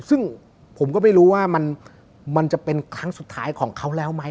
ซึ่งผมก็ไม่รู้ว่ามันจะเป็นครั้งสุดท้ายของเขาแล้วไหม